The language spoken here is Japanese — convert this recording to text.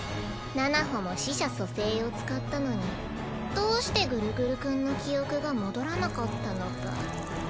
ナナホも死者蘇生を使ったのにどうしてグルグルくんの記憶が戻らなかったのか。